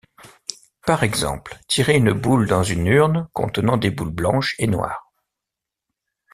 Par exemple, tirer une boule dans une urne contenant des boules blanches et noires.